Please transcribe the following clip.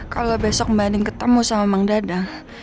kalau besok mbak anding ketemu sama bang dadang